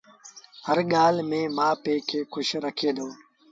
هر ڳآل ميݩ مآ پي کي کُش رکي دو